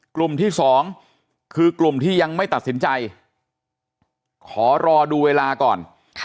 กลุ่มที่๒คือกลุ่มที่ยังไม่ตัดสินใจขอรอดูเวลาก่อน